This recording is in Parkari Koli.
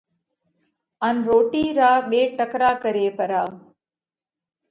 ان روڻِي را ٻي ٽڪرا ڪرئہ پرا۔